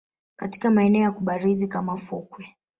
katika maeneo ya kubarizi kama fukwe